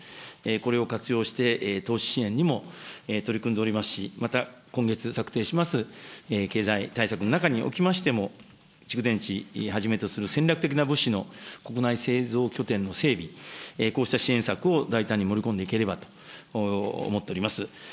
これを活用して、投資支援にも取り組んでおりますし、また今月策定します経済対策の中におきましても、蓄電池はじめとする戦略的な物資の国内製造拠点の整備、こうした支援策を大胆に盛り込んでいければと思っております。